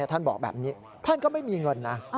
ท่านบอกแบบนี้ท่านก็ไม่มีเงินนะ